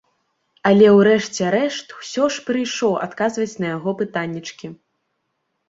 Але ў рэшце рэшт усё ж прыйшоў адказваць на яго пытаннечкі.